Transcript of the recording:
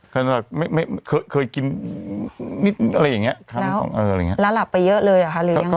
เพราะฉันเคยกินนิดนิดอะไรอย่างเงี้ยแล้วหลับไปเยอะเลยหรือยังไง